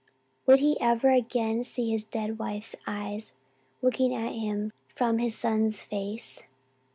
Would he ever again see his dead wife's eyes looking at him from his son's face?